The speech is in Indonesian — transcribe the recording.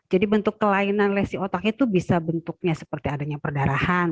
jadi bentuk kelainan lesi otak itu bisa bentuknya seperti adanya perdarahan